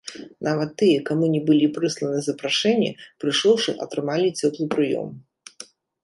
Нават тыя, каму не былі прысланы запрашэнні, прыйшоўшы, атрымалі цёплы прыём.